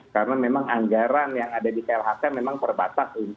karena memang anggaran yang ada di klhk memang perbatas untuk pemulihan das